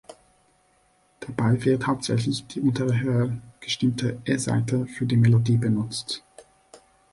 Dabei wird hauptsächlich die untere höher gestimmte E-Saite für die Melodie benutzt.